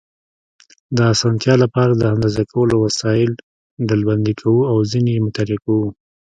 د اسانتیا لپاره د اندازه کولو وسایل ډلبندي کوو او ځینې یې مطالعه کوو.